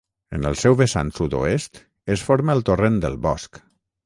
En el seu vessant sud-oest es forma el torrent del Bosc.